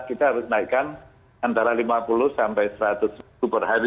kita harus naikkan antara lima puluh sampai seratus perhari